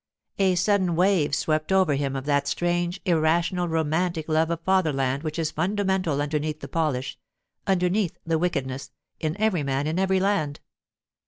A sudden wave swept over him of that strange, irrational, romantic love of fatherland which is fundamental underneath the polish, underneath the wickedness, in every man in every land.